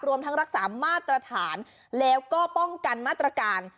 รวมทั้งรักษามาตรฐานแล้วก็ป้องกันมาตรการ